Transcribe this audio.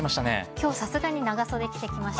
きょうさすがに長袖着てきました。